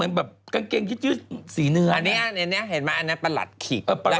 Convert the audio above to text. อีกข้างหนึ่งก็เป็นประหลัดขีก